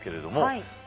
はい。